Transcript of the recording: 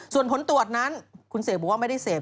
ส่วนผลตรวจนั้นคุณเสกบอกว่าไม่ได้เสพ